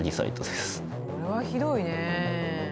これはひどいね。